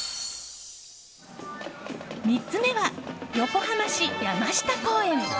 ３つ目は、横浜市山下公園。